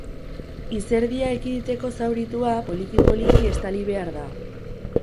Izerdia ekiditeko zauritua poliki-poliki estali behar da.